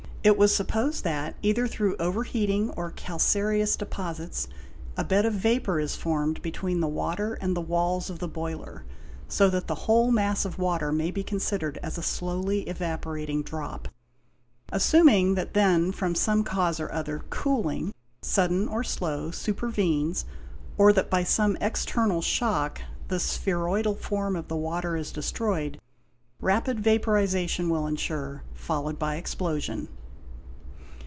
It was supposed that either through over heating or calcareous deposits a bed of vapour is formed between the water and the walls of the boiler, so that the whole mass of water may be considered as a slowly evaporating drop. Assuming that then, from some cause or other, cooling—sudden or slow—supervenes, or that by some external shock the spheroidal form of the water is destroyed, rapid vaporization will ensure, followed by explosion.